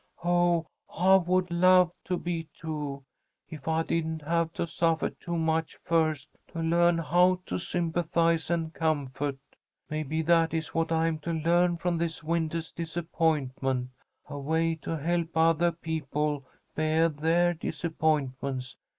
Oh, I would love to be, too, if I didn't have to suffer too much first to learn how to sympathize and comfort. Maybe that is what I am to learn from this wintah's disappointment, a way to help othah people beah their disappointments.